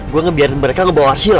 gue ngebiarin mereka ngebawa arsio